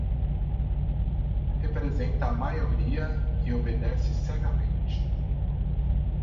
Representa a maioria e obedece cegamente.